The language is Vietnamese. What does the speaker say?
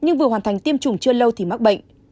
nhưng vừa hoàn thành tiêm chủng chưa lâu thì mắc bệnh